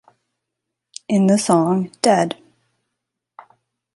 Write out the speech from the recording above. In the song ""Dead!